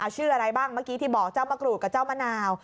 ชื่ออะไรบ้างเมื่อกี้ที่บอกเจ้ามะกรูดกับเจ้ามะนาว